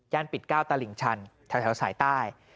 ย่านปิดก้าวตาลิ่งชันแถวสายใต้